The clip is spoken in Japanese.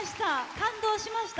感動しました。